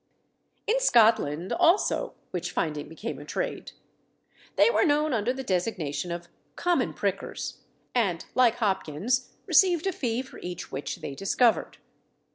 In Scotland also witch finding became a trade. They were known under the designation of "common prickers," and, like Hopkins, received a fee for each witch they discovered.